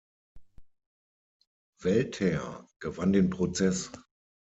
Welter gewann den Prozess.